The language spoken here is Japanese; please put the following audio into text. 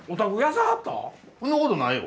そんなことないよ。